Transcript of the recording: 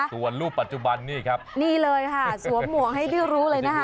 ส่วนรูปปัจจุบันนี่ครับนี่เลยค่ะสวมหมวกให้ได้รู้เลยนะคะ